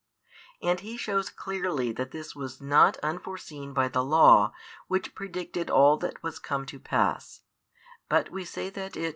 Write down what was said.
And He shows clearly that this was not unforeseen by the Law, which predicted all that was to come to pass; but we say that it.